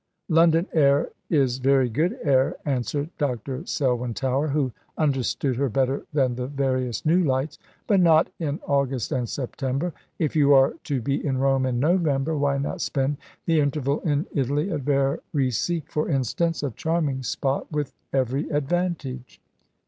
"London air is very good air," answered Dr. Selwyn Tower, who understood her better than the various new lights, "but not in August and September. If you are to be in Rome in November, why not spend the interval in Italy, at Varese, for instance, a charming spot, with every advantage?"